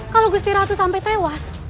kalau gusti ratu sampai tewas